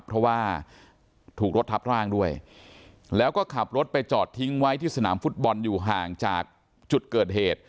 เพราะว่าถูกรถทับร่างด้วยแล้วก็ขับรถไปจอดทิ้งไว้ที่สนามฟุตบอลอยู่ห่างจากจุดเกิดเหตุ